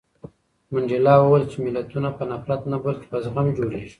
منډېلا وویل چې ملتونه په نفرت نه بلکې په زغم جوړېږي.